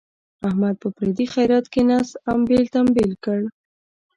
احمد په پردي خیرات کې نس امبېل تمبیل کړ.